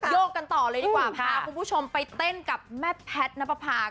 โยกกันต่อเลยดีกว่าพาคุณผู้ชมไปเต้นกับแม่แพทนับภาค